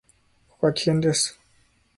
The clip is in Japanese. ここは危険です。